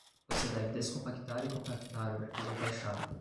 Você deve descompactar e compactar o arquivo baixado